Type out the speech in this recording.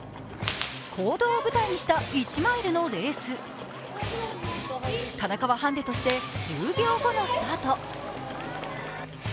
公道を舞台にした１マイルのレース田中はハンデとして１０秒後のスタート。